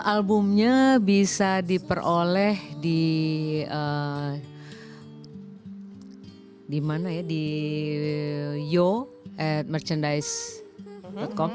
albumnya bisa diperoleh di di mana ya di yo merchandise com